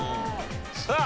さあ。